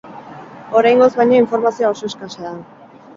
Oraingoz, baina, informazioa oso eskasa da.